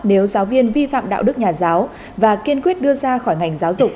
nếu giáo viên vi phạm đạo đức nhà giáo và kiên quyết đưa ra khỏi ngành giáo dục